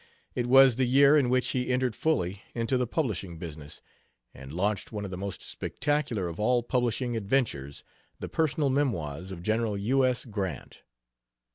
It was the year in which he entered fully into the publishing business and launched one of the most spectacular of all publishing adventures, The Personal Memoirs of General U. S. Grant.